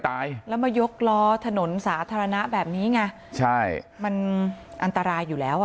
ตายแล้วมายกล้อถนนสาธารณะแบบนี้ไงใช่มันอันตรายอยู่แล้วอ่ะ